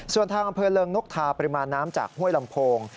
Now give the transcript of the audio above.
ส่วนทางอำเภอเริงนกทาปริมาณน้ำจากห้วยลำโพง